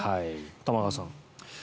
玉川さん。